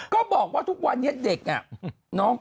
ก็บอกว่าทุกวันนี้เด็ก